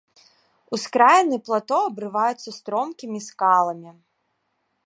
Ускраіны плато абрываюцца стромкімі скаламі.